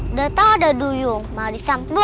udah tau ada duyung malah disamperin